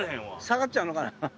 下がっちゃうのかな。